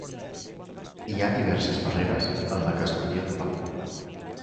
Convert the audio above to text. Hi ha diverses barreres en la que es podria topar.